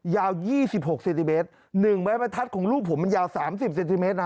ยาวยี่สิบหกเซนติเมตรหนึ่งไม้มันทัดของรูปผมมันยาวสามสิบเซนติเมตรนะ